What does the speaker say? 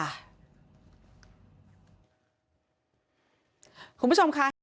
คุณผู้ชมคะ